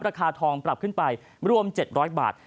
ราคาทองปรับขึ้นไปรวม๗๐๐บาท